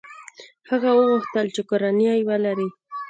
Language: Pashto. هغه وغوښتل چې کورنۍ ولري.